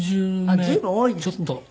あっ随分多いですね。